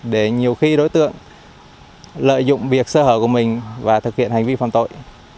để nhiều khi đối tượng lợi dụng việc sơ hở của mình và thực hiện hành vi phạm tội